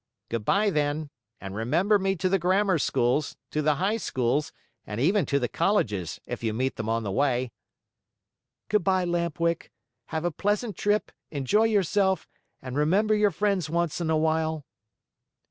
"Good by, then, and remember me to the grammar schools, to the high schools, and even to the colleges if you meet them on the way." "Good by, Lamp Wick. Have a pleasant trip, enjoy yourself, and remember your friends once in a while."